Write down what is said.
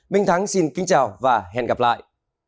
minh thắng xin kính chào và hẹn gặp lại